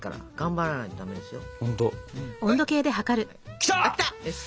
きた！